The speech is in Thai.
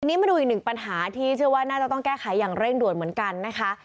ทีนี้มาดูอีกหนึ่งปัญหาที่เชื่อว่าน่าจะต้องแก้ไขอย่างเร่งด่วนเหมือนกันนะคะ